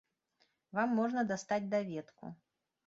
Вам можна дастаць даведку.